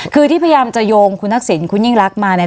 คือที่พยายามจะโยงคุณทักษิณคุณยิ่งรักมาเนี่ย